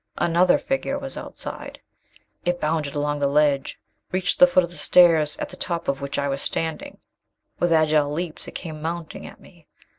Another figure was outside! It bounded along the ledge, reached the foot of the stairs at the top of which I was standing. With agile leaps, it came mounting at me!